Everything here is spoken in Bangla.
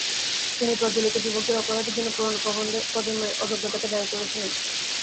তিনি "প্রজ্বলিত যুবকদের" অপরাধের জন্য পুরোনো প্রজন্মের "অযোগ্যতা" কে দায়ী করেছিলেন।